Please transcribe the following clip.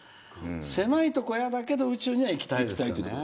狭い所嫌だけど宇宙には行きたいですよね。